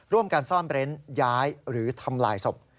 ร่วมกันซ่อนเร้นย้ายหรือทำลายศพ